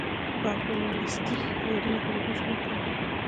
په امپریالیستي هېوادونو کې د دوی شمېره کمه ده